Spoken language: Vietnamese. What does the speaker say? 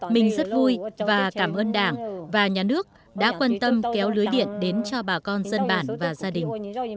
mình rất vui và cảm ơn đảng và nhà nước đã quan tâm kéo lưới điện đến cho bà con dân bản và gia đình